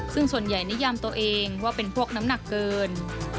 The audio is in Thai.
ซึ่งส่วนใหญ่นิยามตัวเองว่าเป็นพวกน้ำหนักเกิน